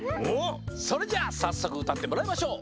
それじゃあさっそくうたってもらいましょう。